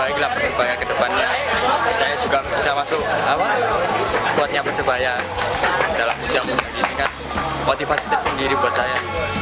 baiklah persebaya kedepannya saya juga bisa masuk skuadnya persebaya dalam usia muda ini kan motivasi tersendiri buat saya